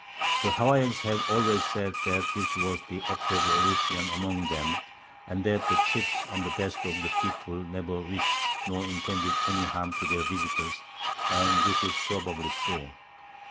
The Hawaiians have always said that this was the act of a ruffian among them, and that the chiefs and the best of the people never wished nor intended any harm to their visitors; and this is probably true.